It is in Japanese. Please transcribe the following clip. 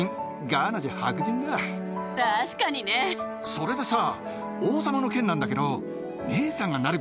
それでさ。